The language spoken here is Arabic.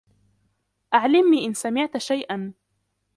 أعلمني إن سمعتَ شيئًا.